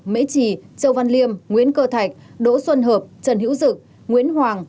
mễ trì châu văn liêm nguyễn cơ thạch đỗ xuân hợp trần hiễu dực nguyễn hoàng